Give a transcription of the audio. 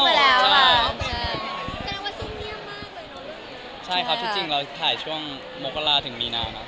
เดือนตุลาค่ะตุลาตุลาครับตุลาได้เดือนแน่นอน